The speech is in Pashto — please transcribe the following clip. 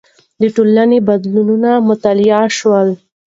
د ټولنې بدلونونه مطالعه شول.